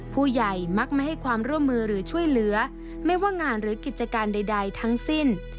มักไม่ให้ความร่วมมือหรือช่วยเหลือไม่ว่างานหรือกิจการใดทั้งสิ้น